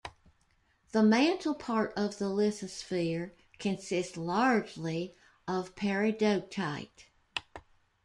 The mantle part of the lithosphere consists largely of peridotite.